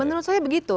menurut saya begitu